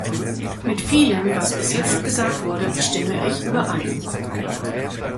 Mit vielem, was bis jetzt gesagt wurde, stimme ich überein.